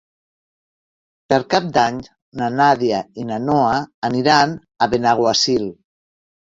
Per Cap d'Any na Nàdia i na Noa aniran a Benaguasil.